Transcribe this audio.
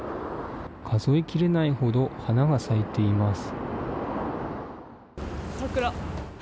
数え切れないほど花が咲いています。